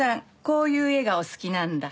こういう絵がお好きなんだ。